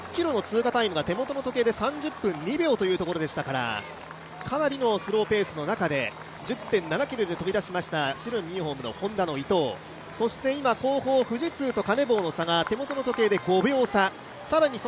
１０ｋｍの通過タイムが３０分２秒というところでしたからかなりのスローペースの中で１０．７ｋｍで飛び出しました白いユニフォームのＨｏｎｄａの伊藤、今、後方、富士通とカネボウの差が５秒差。